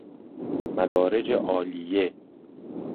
مدارج عالیه